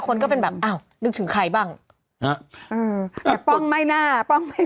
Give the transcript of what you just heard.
คนก็เป็นแบบนึกถึงใครบ้าง